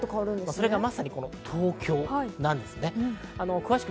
それがまさに東京なんです。